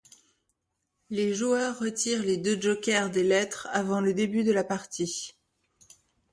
Les joueurs retirent les deux jokers des lettres avant le début de la partie.